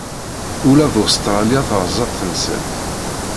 Ula d Ustṛalya terza-tt temsalt.